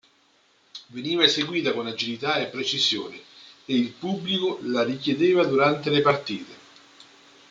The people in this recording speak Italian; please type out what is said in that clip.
Veniva eseguita con agilità e precisione, e il pubblico la richiedeva durante le partite.